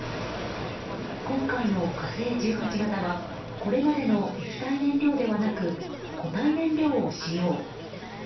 今回の「火星１８型」はこれまでの液体燃料ではなく固体燃料を使用。